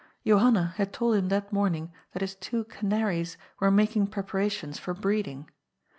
Johanna had told him that morning that his two canaries were making preparations for breed ing.